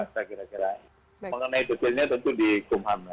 saya kira kira mengenai detailnya tentu di kumham